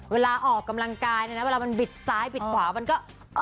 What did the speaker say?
เวลาออกกำลังกายเนี่ยนะเวลามันบิดซ้ายบิดขวามันก็